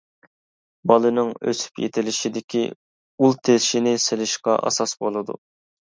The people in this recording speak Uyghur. بالىنىڭ ئۆسۈپ يېتىلىشىدىكى ئۇل تېشىنى سېلىشقا ئاساس بولىدۇ.